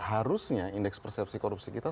harusnya indeks persepsi korupsi kita